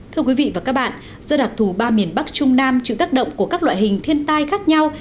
thưa quý vị và các bạn do đặc thù ba miền bắc trung nam chịu tác động của các loại hình thiên tai khác nhau